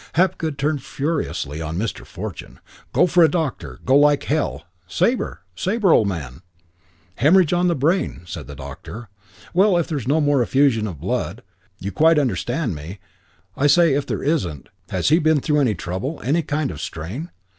Hapgood turned furiously on Mr. Fortune. "Go for a doctor! Go like hell! Sabre! Sabre, old man!" "Hemorrhage on the brain," said the doctor. "...Well, if there's no more effusion of blood. You quite understand me. I say if there isn't.... Has he been through any trouble, any kind of strain?